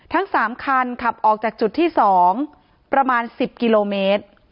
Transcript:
ทั้ง๓คันขับออกจากจุดที่๒ประมาณ๑๐กิโลเมตร